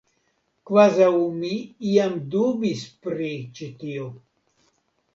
Kvazaŭ mi iam dubis pri ĉi tio!